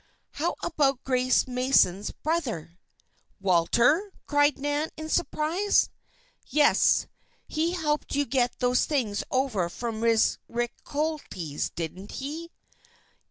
"How about Grace Mason's brother?" "Walter?" cried Nan, in surprise. "Yes. He helped you get those things over from Ricolletti's, didn't he?"